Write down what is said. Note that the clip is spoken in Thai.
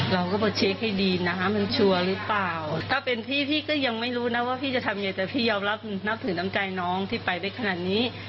เราก็มาเช็คให้ดีนะคะมันชัวร์หรือเปล่าถ้าเป็นพี่พี่ก็ยังไม่รู้นะว่าพี่จะทำยังไงแต่พี่ยอมรับนับถือน้ำใจน้องที่ไปได้ขนาดนี้